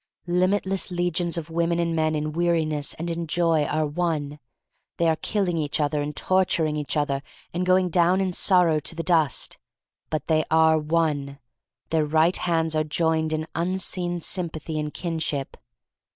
Limitless legions of women and men in weariness and in joy are one. They are killing each other and torturing each other, and going down in sorrow to the dust. But they are one. Their right hands are joined in unseen sym pathy and kinship.